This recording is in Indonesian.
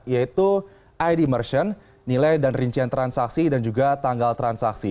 yaitu id merchant nilai dan rincian transaksi dan juga tanggal transaksi